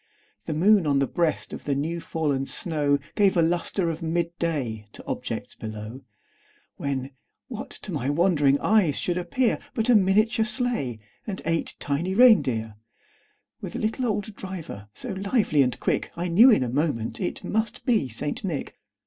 The moon, on the breast of the new fallen snow, Gave a lustre of mid day to objects below; When, what to my wondering eyes should appear, But a miniature sleigh, and eight tiny rein deer, With a little old driver, so lively and quick, I knew in a moment it must be St. Nick.